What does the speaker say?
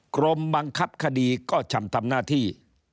กรมบังคับคดีก็ชำทำหน้าที่